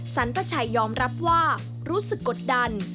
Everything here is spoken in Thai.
สรรพชัยยอมรับว่ารู้สึกกดดัน